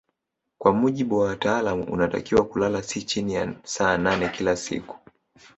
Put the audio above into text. Kwa mujibu wa wataalamu unatakiwa kulala si chini ya saa nane kila siku